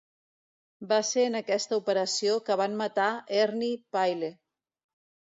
Va ser en aquesta operació que van matar Ernie Pyle.